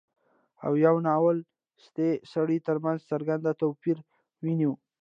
او يوه نالوستي سړي ترمنځ څرګند توپير وينو